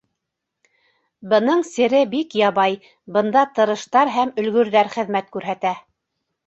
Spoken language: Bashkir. Бының сере бик ябай: бында тырыштар һәм өлгөрҙәр хеҙмәт күрһәтә.